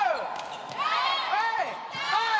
はい！